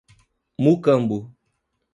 Mucambo